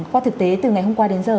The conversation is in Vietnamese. qua thực tế từ ngày hôm qua đến giờ